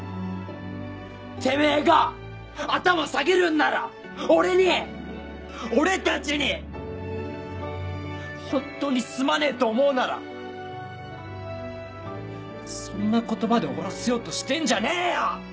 てめぇが頭下げるんなら俺に俺たちにホントにすまねえと思うならそんな言葉で終わらせようとしてんじゃねえよ！